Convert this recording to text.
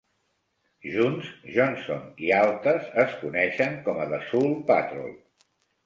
Junts, Johnson i Altas es coneixen com a "The Soul Patrol".